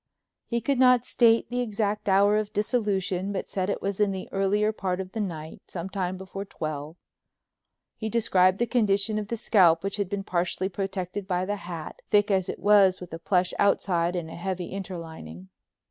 He could not state the exact hour of dissolution, but said it was in the earlier part of the night, some time before twelve. He described the condition of the scalp which had been partially protected by the hat, thick as it was with a plush outside and a heavy interlining.